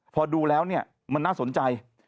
พอดูแล้วมันน่าสนใจ